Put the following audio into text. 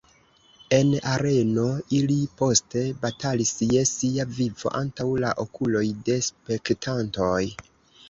En areno ili poste batalis je sia vivo antaŭ la okuloj de spektantoj.